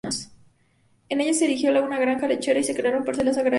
En ella se erigió una granja lechera y se crearon parcelas agrarias.